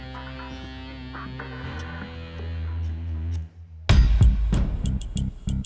lo tuh gak usah alasan lagi